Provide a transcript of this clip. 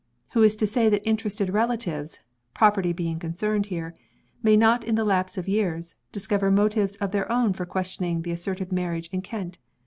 Who is to say that interested relatives (property being concerned here) may not in the lapse of years, discover motives of their own for questioning the asserted marriage in Kent?